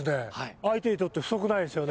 相手にとって不足ないですよね。